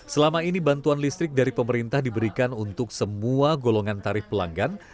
selama ini bantuan listrik dari pemerintah diberikan untuk semua golongan tarif pelanggan